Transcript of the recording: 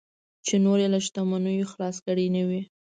چې نور یې له شتمنیو خلاص کړي نه وي.